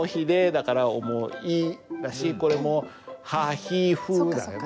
だから「思い」だしこれも「はひふ」だよね。